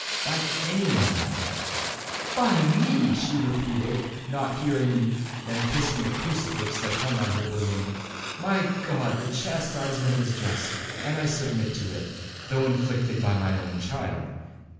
'By any one, Madam.' 'By me!' she repeated, not hearing me; then kissing a crucifix that hung on her bosom, 'My God! the chastisement is just, and I submit to it, though inflicted by my own child.